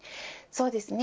そうですね。